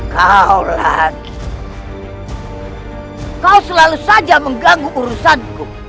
kau lagi kau selalu saja mengganggu urusanku